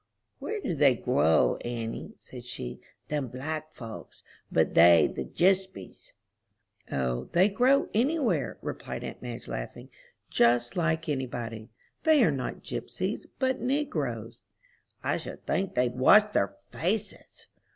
"Where do they grow, auntie?" said she, "them black folks. Be they the jispies?" "O, they grow any where," replied aunt Madge, laughing; "just like any body. They are not gypsies, but negroes." "I should think they'd wash their faces."